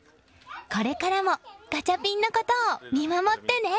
これからもガチャピンのことを見守ってね。